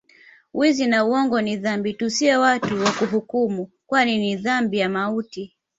Wizi na uongo ni dhambi tusiwe watu wa kuhukumu kwani ni dhambi ya mauti